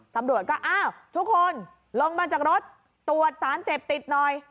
ตำรวจก็อ้าวทุกคนลงมาจากรถตรวจสารเสพติดหน่อย